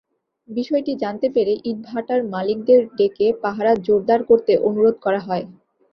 বিষয়টি জানতে পেরে ইটভাটার মালিকদের ডেকে পাহারা জোরদার করতে অনুরোধ করা হয়।